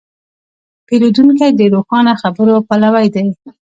پیرودونکی د روښانه خبرو پلوی دی.